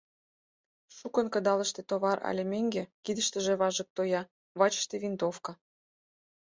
Шукын кыдалыште товар але меҥге, кидыште важык тоя, вачыште винтовка.